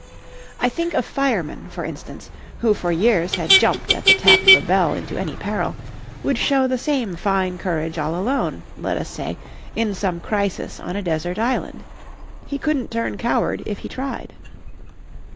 I think a fireman, for instance, who for years had jumped at the tap of a bell into any peril, would show the same fine courage all alone, let us say, in some crisis on a desert island. He couldn't turn coward if he tried.